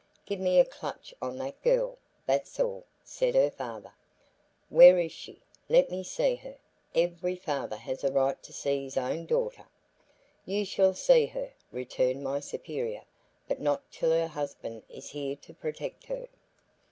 "Give me a clutch on that girl, that's all," said her father, "Where is she? Let me see her; every father has a right to see his own daughter," "You shall see her," returned my superior, "but not till her husband is here to protect her."